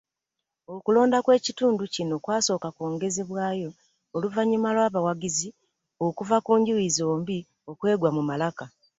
Okulonda kw’ekitundu kino kwasooka kwongezebwayo oluvannyuma lw’abawagizi okuva ku njuyi zombi okwegwa mu malaka.